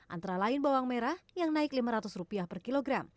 antara lain bawang merah yang naik rp lima ratus per kilogram